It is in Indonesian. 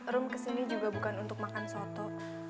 rum kesini juga bukan untuk makan soto